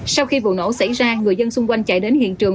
sau khi vụ nổ xảy ra người dân xung quanh chạy đến hiện trường